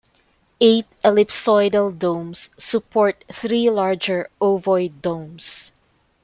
Eight ellipsoidal domes support three larger ovoid domes.